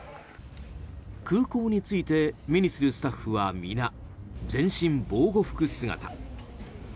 空港に着いて目にするスタッフは皆、全身防護服姿。